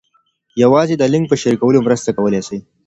یوازې د لینک په شریکولو مرسته کولای سئ.